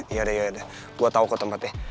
yaudah yaudah gue tau kok tempatnya